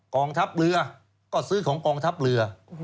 กองทัพเรือก็ซื้อของกองทัพเรือ